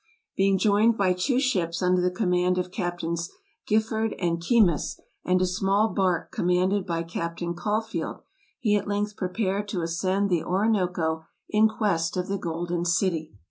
Being joined by two ships under the command of Cap tains Giffard and Keymis, and a small bark commanded by Captain Caulfield, he at length prepared to ascend the Orinoco in quest of the Golden City.